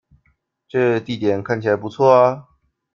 這地點看起來不錯啊